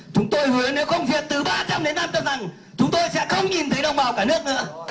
chúng tôi hứa nếu không duyệt từ ba trăm linh đến năm trăm linh chúng tôi sẽ không nhìn thấy đồng bào cả nước nữa